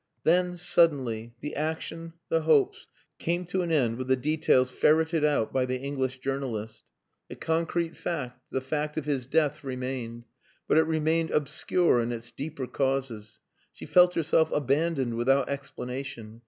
Then, suddenly, the action, the hopes, came to an end with the details ferreted out by the English journalist. The concrete fact, the fact of his death remained! but it remained obscure in its deeper causes. She felt herself abandoned without explanation.